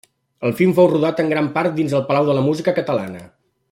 El film fou rodat en gran part dins el Palau de la Música Catalana.